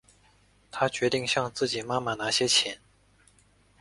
她决定向自己妈妈拿些钱